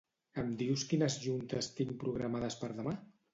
Em dius quines juntes tinc programades per demà?